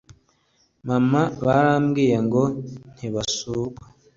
Mama, barambwiye ngo ntibasurwa